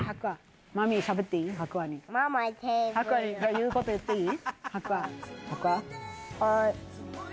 言うこと言っていい？